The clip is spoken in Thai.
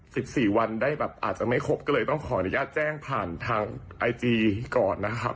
สิบสี่วันได้แบบอาจจะไม่ครบก็เลยต้องขออนุญาตแจ้งผ่านทางไอจีก่อนนะครับ